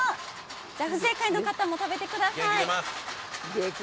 不正解の方も食べてください。